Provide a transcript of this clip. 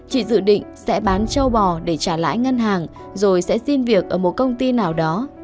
chị dự định sẽ bán châu bò để trả lãi ngân hàng rồi sẽ xin việc ở một công ty nào đó